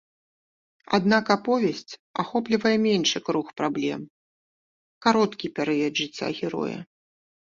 Аднак аповесць ахоплівае меншы круг праблем, кароткі перыяд жыцця героя.